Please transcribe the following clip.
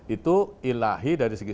itu ilahi dari segi